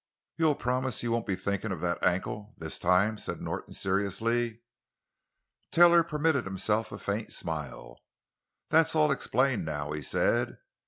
"You'll promise you won't be thinking of that ankle—this time?" said Norton seriously. Taylor permitted himself a faint smile. "That's all explained now," he said.